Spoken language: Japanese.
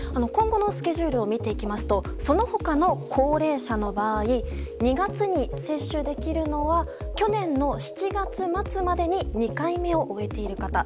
今後のスケジュールを見ていきますとその他の高齢者の場合２月に接種できるのは去年の７月末までに２回目を終えている方。